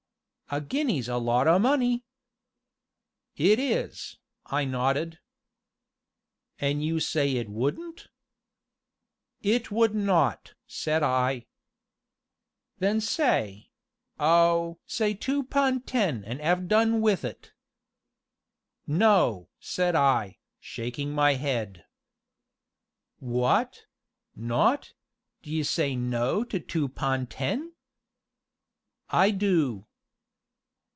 "A guinea's a lot o' money!" "It is," I nodded. "An' you say it wouldn't?" "It would not!" said I. "Then say oh! say two pun' ten an' 'ave done with it." "No!" said I, shaking my head. "What not d'ye say 'no' to two pun' ten?" "I do."